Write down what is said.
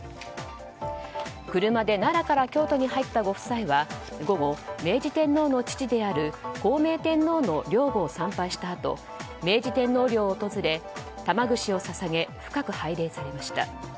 車で奈良から京都に入ったご夫妻は午後、明治天皇の父である孝明天皇の陵墓を参拝したあと明治天皇陵を訪れ玉串を捧げ、深く拝礼されました。